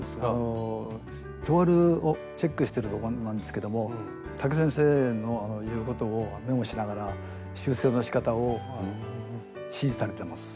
トワルをチェックしてるところなんですけどもタケ先生の言うことをメモしながら修正のしかたを指示されてます。